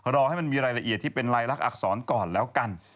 รอให้มันมีรายละเอียดที่เป็นลายลักษณอักษรก่อนแล้วกัน